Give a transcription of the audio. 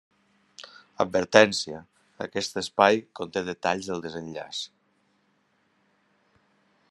Advertència, aquest espai conté detalls del desenllaç.